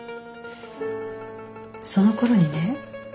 そのころにね。